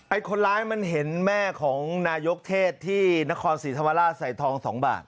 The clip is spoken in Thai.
คนร้ายมันเห็นแม่ของนายกเทศที่นครศรีธรรมราชใส่ทอง๒บาท